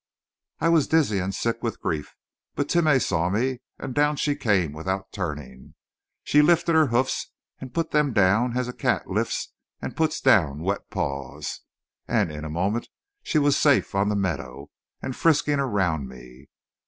"I was dizzy and sick with grief. But Timeh saw me, and down she came, without turning. She lifted her hoofs and put them down as a cat lifts and puts down wet paws. And in a moment she was safe on the meadow and frisking around me.